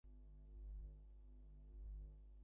কত ভয়, কত ভাবনা, কত তারা পরাধীন।